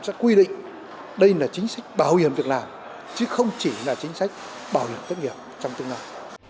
chúng ta quy định đây là chính sách bảo hiểm việc làm chứ không chỉ là chính sách bảo hiểm thất nghiệp trong tương lai